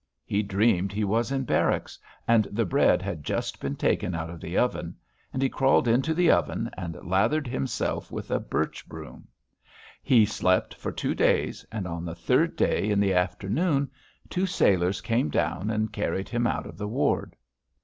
He dreamed he was in barracks, and the bread had just been taken out of the oven, and he crawled into the oven and lathered himself with a birch broom. He slept for two days and on the third day in the afternoon two sailors came down and carried him out of the ward.